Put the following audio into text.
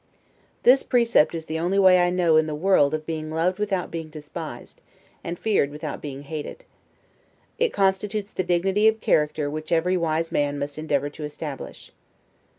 This precept is the only way I know in the world of being loved without being despised, and feared without being hated. It constitutes the dignity of character which every wise man must endeavor to establish.